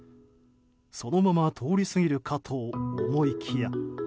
そのまま通り過ぎるかと思いきや。